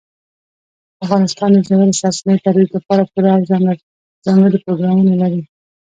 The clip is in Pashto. افغانستان د ژورې سرچینې د ترویج لپاره پوره او ځانګړي پروګرامونه لري.